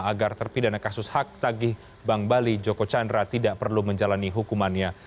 agar terpidana kasus hak tagih bank bali joko chandra tidak perlu menjalani hukumannya